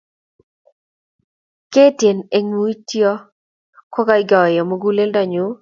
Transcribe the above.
ketien eng mutio kokaikaiyo mukuleldo nyuu